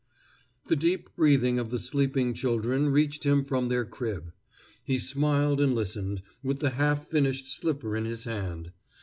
The deep breathing of the sleeping children reached him from their crib. He smiled and listened, with the half finished slipper in his hand.